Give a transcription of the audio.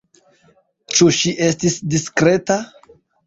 Ĉu ŝi estis diskreta?